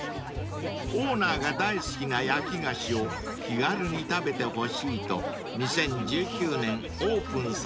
［オーナーが大好きな焼き菓子を気軽に食べてほしいと２０１９年オープンさせました］